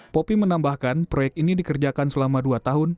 popi menambahkan proyek ini dikerjakan selama dua tahun